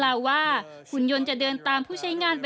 ว่าหุ่นยนต์จะเดินตามผู้ใช้งานไป